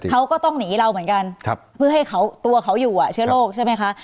เขาก็ต้องหนีเราเหมือนกันเพื่อให้ตัวเขาอยู่เชื้อโรคใช่ไหมคะ